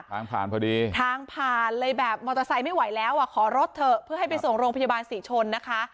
ผ่านพอดีทางผ่านเลยแบบมอเตอร์ไซค์ไม่ไหวแล้วอ่ะขอรถเถอะเพื่อให้ไปส่งโรงพยาบาลศรีชนนะคะ